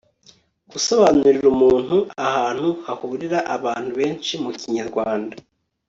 gusobanurira umuntu ahantu hahurira abantu benshi mu kinyarwanda